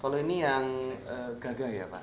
kalau ini yang gagal ya pak